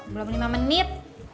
belum lima menit